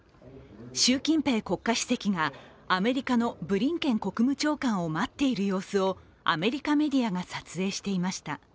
習近平国家主席がアメリカのブリンケン国務長官を待っている様子をアメリカメディアが撮影していました。